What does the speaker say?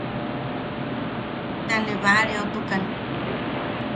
Ta ne baʼareotukan.